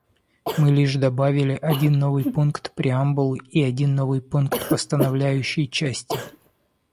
Мы лишь добавили один новый пункт преамбулы и один новый пункт постановляющей части.